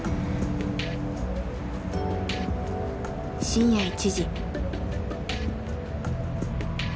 深夜１時。